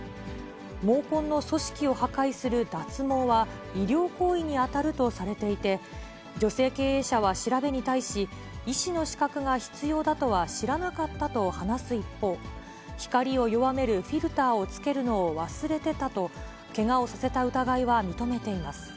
毛根の組織を破壊する脱毛は、医療行為に当たるとされていて、女性経営者は調べに対し、医師の資格が必要だとは知らなかったと話す一方、光を弱めるフィルターをつけるのを忘れてたと、けがをさせた疑いは認めています。